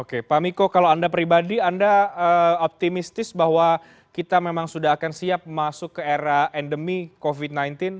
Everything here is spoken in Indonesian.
oke pak miko kalau anda pribadi anda optimistis bahwa kita memang sudah akan siap masuk ke era endemi covid sembilan belas